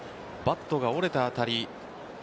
バットが折れた当たり。